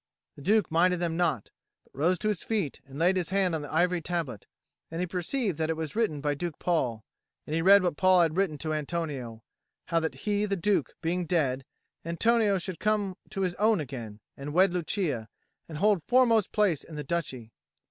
The Duke minded them not, but rose to his feet and laid his hand on the ivory tablet; and he perceived that it was written by Duke Paul; and he read what Paul had written to Antonio; how that he, the Duke, being dead, Antonio should come to his own again, and wed Lucia, and hold foremost place in the Duchy.